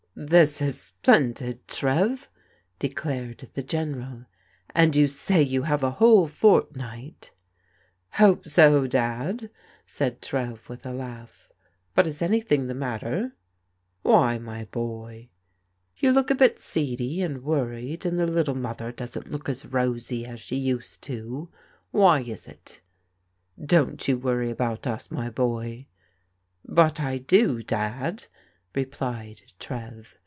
" This is splendid, Trev," declared the GeneraL "And you say you have a whole fortnight ?"" Hope so, Dad," said Trev with a laugh. " But is anything the matter ?"" Why, my boy ?" "You look a bit seedy and worried, and the little Mother doesn't look as rosy as she used to. Why is it? " Don't you worry about us, my boy." "But I do, Dad," replied Trev.